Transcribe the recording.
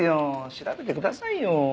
調べてくださいよ。